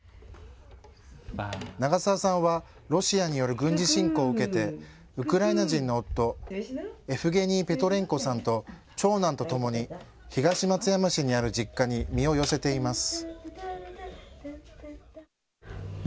長澤さんはロシアによる軍事侵攻を受けてウクライナ人の夫、エフゲニー・ペトレンコさんと長男とともに東松山市にある実家に身を寄せています。